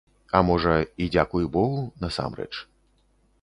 А можа, і дзякуй богу, насамрэч.